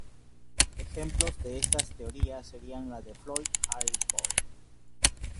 Ejemplo de estas teorías serían las de Floyd Allport.